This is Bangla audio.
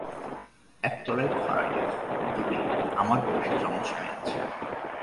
একতলার ভাড়াটের দুটি আমার বয়েসি যমজ মেয়ে আছে।